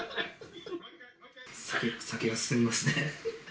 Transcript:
酒が進みますね。